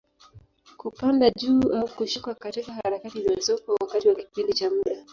Kupanda juu au kushuka katika harakati za soko, wakati wa kipindi cha muda.